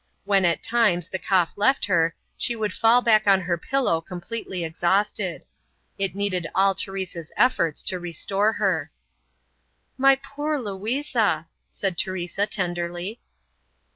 When, at times, the cough left her she would fall back on her pillow completely exhausted. It needed all Teresa's efforts to restore her. "My poor Louisa!" said Teresa tenderly.